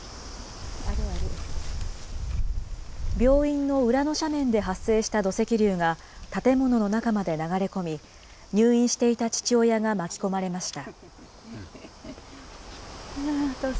病院の裏の斜面で発生した土石流が、建物の中まで流れ込み、入院していた父親が巻き込まれました。